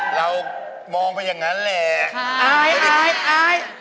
เรามองไปอย่างนั้นแหละ